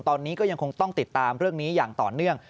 ตอนนี้ก็ยังคงต้องติดตามเรื่องนี้อย่างต่อเนื่อง